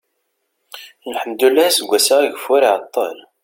lḥemdullah aseggas-a ageffur iɛeṭṭel